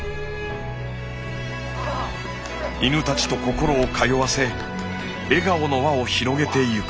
犬たちと心を通わせ笑顔の輪を広げていく。